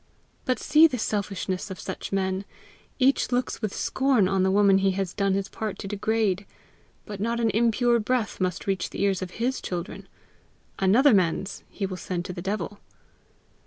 But see the selfishness of such men: each looks with scorn on the woman he has done his part to degrade, but not an impure breath must reach the ears of HIS children! Another man's he will send to the devil!